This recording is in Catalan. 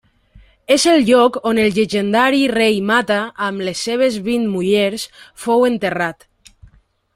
És el lloc on el llegendari rei Mata, amb les seves vint mullers, fou enterrat.